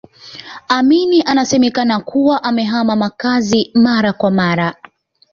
Amin anasemekana kuwa amehama makazi mara kwa mara